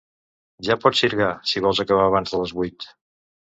Ja pots sirgar, si vols acabar abans de les vuit!